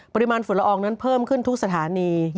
ปริมาณฝุ่นละอองนั้นเพิ่มขึ้นทุกสถานี